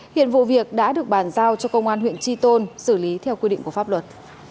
hiện vụ việc đã được bàn giao cho công an huyện tri tôn xử lý theo quy định của pháp luật